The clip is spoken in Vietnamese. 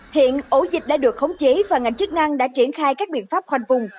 hiện ổ dịch đã được khống chế và ngành chức năng đã triển khai các biện pháp khoanh vùng